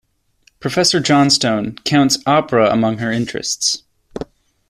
Professor Johnstone counts Opera amongst her interests.